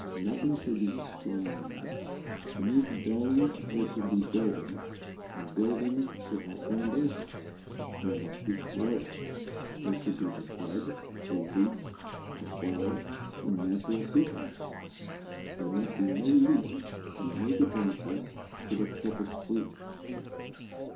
Nothing should be strained. Beneath domes there should be buildings, and buildings should have foundations. There must be growth. There should be the bud, the leaf, the flower, in natural sequence. There must be no leap from naked branches to the perfect fruit.